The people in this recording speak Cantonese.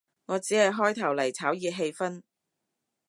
我只係開頭嚟炒熱氣氛